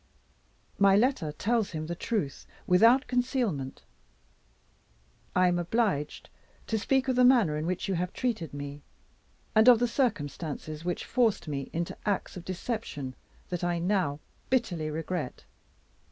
My letter tells him the truth, without concealment. I am obliged to speak of the manner in which you have treated me, and of the circumstances which forced me into acts of deception that I now bitterly regret.